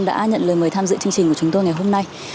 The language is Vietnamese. đã nhận lời mời tham dự chương trình của chúng tôi ngày hôm nay